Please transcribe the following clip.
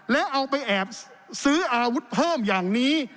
แล้วเอาไปแอบซื้ออาวุธเพิ่มอย่างนี้